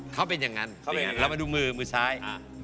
เขาเป็นอย่างนั้นเรามาดูมือมือซ้าย